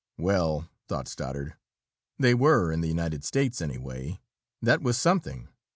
Well, thought Stoddard, they were in the United States, anyway. That was something.